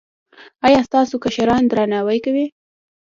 ایا ستاسو کشران درناوی کوي؟